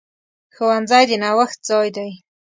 ښوونځی د نوښت ځای دی.